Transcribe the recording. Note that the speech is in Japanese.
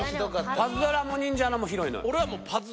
パズドラもニンジャラもひどいのよ。